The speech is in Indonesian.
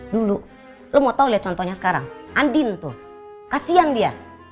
dulu lo mau tau lihat contohnya sekarang andin tuh kasian dia